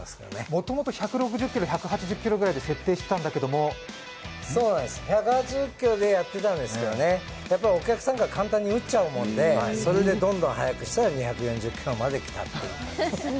もともと１６０キロ、１８０キロぐらいで設定してたんだけど１８０キロでやってたんですけどお客さんが簡単に打っちゃうもんでどんどん速くしたら２４０キロまで来たということなんです。